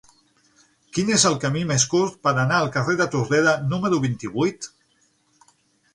Quin és el camí més curt per anar al carrer de Tordera número vint-i-vuit?